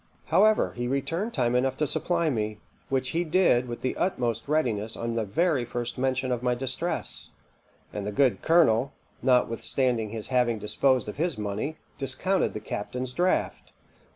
However, he returned time enough to supply me, which he did with the utmost readiness on the very first mention of my distress; and the good colonel, notwithstanding his having disposed of his money, discounted the captain's draft.